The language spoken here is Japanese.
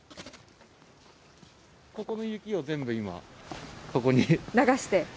ここの雪を全部今、流して？